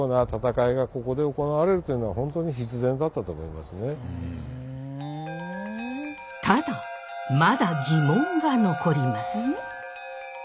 ですからただまだ疑問が残ります。